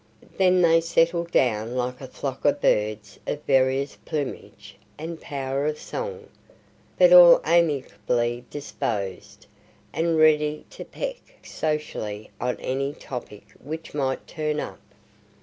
Then they settled down like a flock of birds of various plumage and power of song, but all amicably disposed, and ready to peck socially at any topic which might turn up.